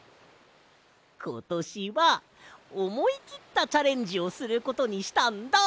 ことしはおもいきったチャレンジをすることにしたんだ！